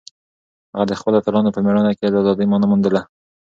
هغه د خپلو اتلانو په مېړانه کې د ازادۍ مانا موندله.